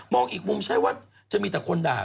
อีกมุมใช้ว่าจะมีแต่คนด่า